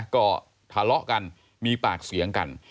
ก็ทะเลาะกันมีปากเสียงกัน